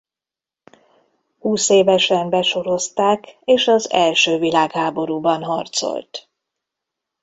Húszévesen besorozták és az első világháborúban harcolt.